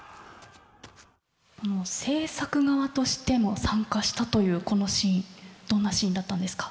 制作側としても参加したというこのシーンどんなシーンだったんですか？